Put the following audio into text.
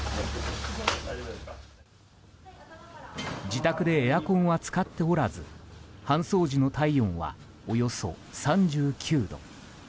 自宅でエアコンは使っておらず搬送時の体温はおよそ３９度。